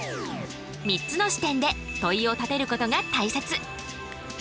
３つの視点で問いを立てることが大切。